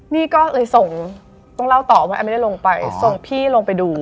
นี่ก็เลยส่งต้องเล่าต่อว่าแอมไม่ได้ลงไปส่งพี่ลงไปดู